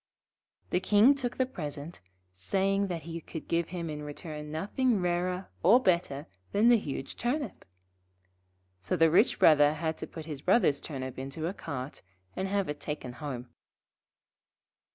The King took the present, saying that he could give him in return nothing rarer or better than the huge Turnip. So the rich Brother had to put his Brother's Turnip into a cart, and have it taken home.